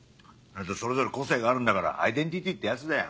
それぞれ個性があるんだからアイデンティティーってやつだよ。